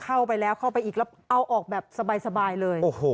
เข้าไปแล้วเข้าไปอีกแล้วเอาออกแบบสบายเลย